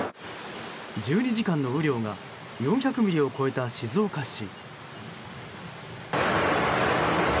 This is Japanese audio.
１２時間の雨量が４００ミリを超えた静岡市。